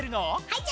はい。